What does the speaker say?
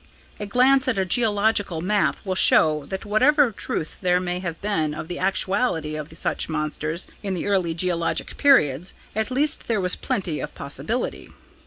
A glance at a geological map will show that whatever truth there may have been of the actuality of such monsters in the early geologic periods, at least there was plenty of possibility.